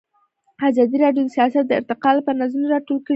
ازادي راډیو د سیاست د ارتقا لپاره نظرونه راټول کړي.